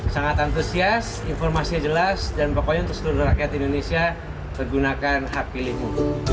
sangat antusias informasinya jelas dan pokoknya untuk seluruh rakyat indonesia pergunakan hak pilihmu